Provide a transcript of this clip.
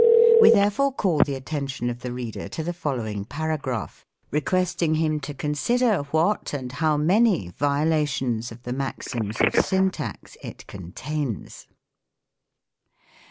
We therefore call the attention of the reader to the following paragraph, requesting him to consider what, and how many, violations of the maxims* of Syntax it contains.